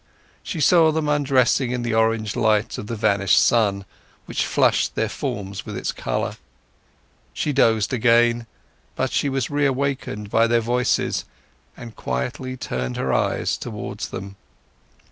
She saw them undressing in the orange light of the vanished sun, which flushed their forms with its colour; she dozed again, but she was reawakened by their voices, and quietly turned her eyes towards them.